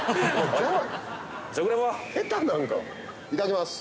いただきます。